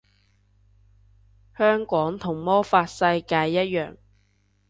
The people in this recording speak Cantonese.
香港同魔法世界一樣